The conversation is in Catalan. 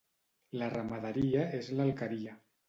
La ramaderia és l'alqueria.